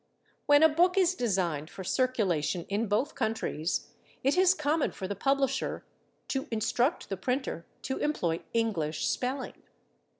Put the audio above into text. When a book is designed for circulation in both countries it is common for the publisher to instruct the printer to employ "English spelling."